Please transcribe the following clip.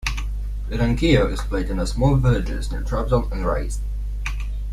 The dankiyo is played in small villages near Trabzon and Rize.